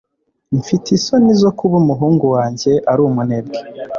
Mfite isoni zo kuba umuhungu wanjye ari umunebwe